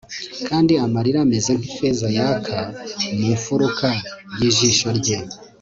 Kandi amarira ameze nkifeza yaka mu mfuruka yijisho rye